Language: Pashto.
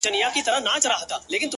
درد ناځوانه بيا زما! ټول وجود نيولی دی!